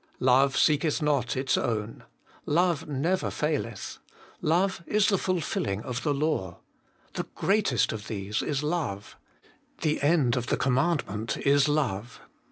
3. 'Loue seeheth not its own.' ' Love never faileth.' 'Love is the fulfilling of the law.' 'The greatest of these is love.' 'The end of the commandment Is love.'